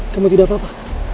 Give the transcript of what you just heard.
kamu tidak apa apa